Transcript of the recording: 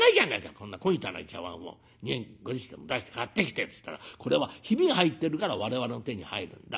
こんな小汚い茶わんを２円５０銭も出して買ってきて』っつったら『これはヒビが入ってるから我々の手に入るんだ。